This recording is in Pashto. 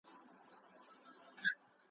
زه او ته به آخر دواړه جنتیان یو ,